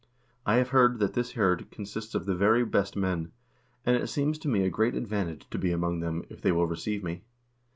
I have heard that his hird consists of the very best men, and it seems to me a great advantage to be among them, if they will receive me.